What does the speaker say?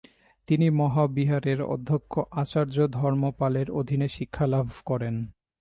তিনি মহাবিহারের অধ্যক্ষ আচার্য ধর্মপালের অধীনে শিক্ষালাভ করেন।